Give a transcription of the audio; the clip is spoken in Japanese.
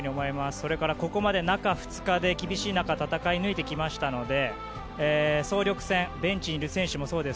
それから、ここまで中２日で厳しい中で戦い抜いてきましたので、総力戦ベンチにいる選手もそうです。